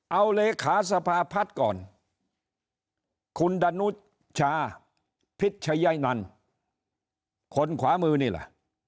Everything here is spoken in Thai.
เอาเลขาสภาพัฒน์ก่อนคุณดนุชาพิชยนันคนขวามือนี่ล่ะ